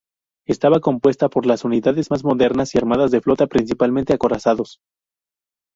Estaba compuesta por las unidades más modernas y armadas de la flota, principalmente acorazados.